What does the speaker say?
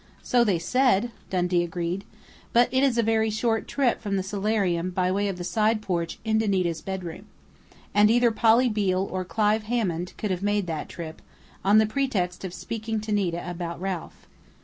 "So they said," Dundee agreed. "But it is a very short trip from the solarium by way of the side porch into Nita's bedroom. And either Polly Beale or Clive Hammond could have made that trip, on the pretext of speaking to Nita about Ralph!...